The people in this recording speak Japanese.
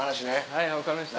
はい分かりました。